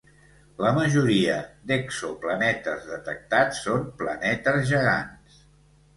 La majoria d'exoplanetes detectats són planetes gegants.